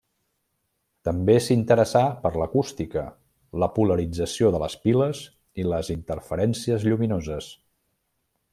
També s'interessà per l'acústica, la polarització de les piles i les interferències lluminoses.